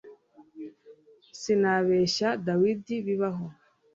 sinabeshya dawudi bibaho